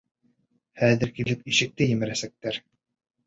Хәҙер килеп ишекте емерәсәктәр!